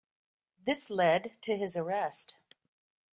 This led to his arrest.